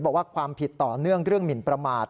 บอกว่าความผิดต่อเนื่องเรื่องหมินประมาท